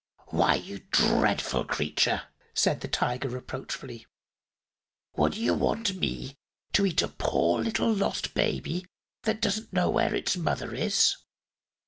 "Why, you dreadful creature!" said the Tiger reproachfully; "would you want me to eat a poor little lost baby, that doesn't know where its mother is?"